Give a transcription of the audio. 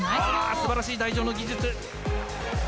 すばらしい台上の技術。